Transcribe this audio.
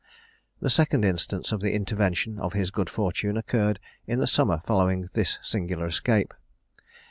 The second instance of the intervention of his good fortune occurred in the summer following this singular escape.